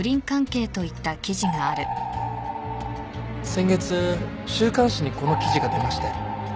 先月週刊誌にこの記事が出まして。